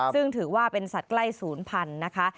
ซึ่งถือว่าเป็นสัตว์ใกล้ศูนย์พันธุ์นะคะ